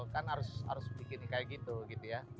kan harus bikin kayak gitu gitu ya